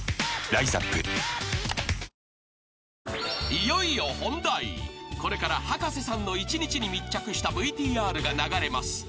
［いよいよ本題これから葉加瀬さんの１日に密着したＶＴＲが流れます］